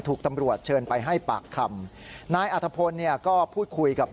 ถูกตำรวจเชิญไปให้ปากคำนายอัธพลเนี่ยก็พูดคุยกับ